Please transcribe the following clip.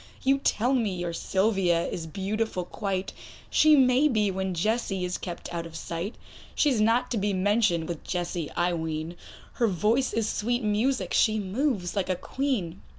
You tell me your Sylvia is beautiful quite; She may be, when Jessie is kept out of sight; She is not to be mentioned with Jessie, I ween, Her voice is sweet music, she moves like a Queen.